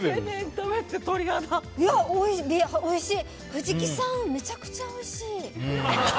藤木さん、めちゃくちゃおいしい。